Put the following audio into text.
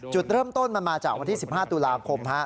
จุดเริ่มต้นมันมาจากวันที่๑๕ตุลาคม